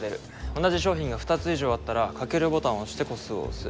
同じ商品が２つ以上あったらかけるボタンを押して個数を押す。